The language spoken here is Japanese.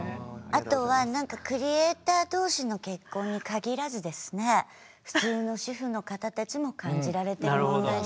あとはクリエイター同士の結婚に限らずですね普通の主婦の方たちも感じられてる問題です。